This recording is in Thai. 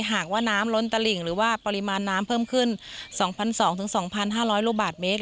หากว่าน้ำล้นตะหลิ่งหรือว่าปริมาณน้ำเพิ่มขึ้นสองพันสองถึงสองพันห้าร้อยลูกบาทเมตร